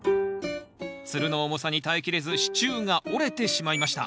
つるの重さに耐えきれず支柱が折れてしまいました。